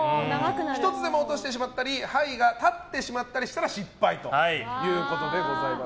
１つでも落としてしまったり牌が立ってしまったら失敗ということです。